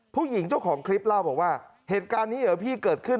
ผู้หญิงเจ้าของคลิปเล่าบอกว่าเหตุการณ์นี้เหรอพี่เกิดขึ้น